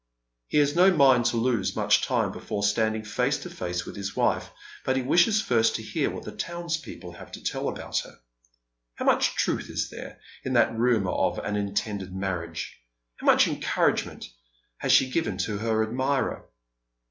He has no mind to lose much time before standing face to face with liis wife ; but he wishes iirst to hear what the townspeople have to tell about her. How much truth is there in that rumour of an intended marriage ? How much encouragement has slie given to her admirer?